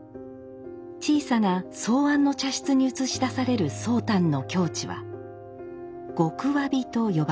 小さな草庵の茶室に映し出される宗旦の境地は「極侘び」と呼ばれます。